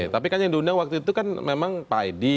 tapi kan yang diundang waktu itu kan memang pak edi